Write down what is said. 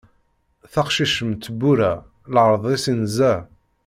Taqcict mm tebbura, leɛṛeḍ-is inza.